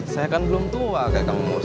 saya kan belum tua kak kang mus